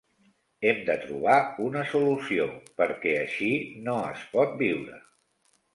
Hem de trobar una solució, perquè així no es pot viure.